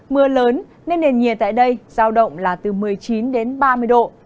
mưa lớn nên nền nhiệt tại đây giao động là từ một mươi chín đến ba mươi độ